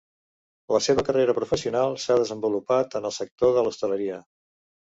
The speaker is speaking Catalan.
La seva carrera professional s'ha desenvolupat en el sector de l'hostaleria.